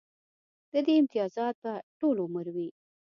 د دې امتیازات به ټول عمر وي